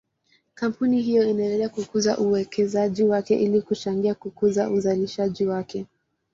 Kampuni hiyo inaendelea kukuza uwekezaji wake ili kuchangia kukuza uzalishaji wake.